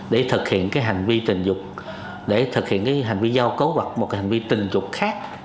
để thực hiện cái hành vi tình dục để thực hiện hành vi giao cấu hoặc một hành vi tình dục khác